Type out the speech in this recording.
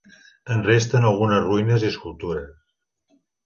En resten algunes ruïnes i escultures.